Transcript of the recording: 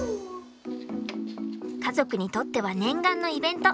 家族にとっては念願のイベント。